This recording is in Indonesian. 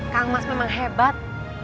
kang mas memang hebat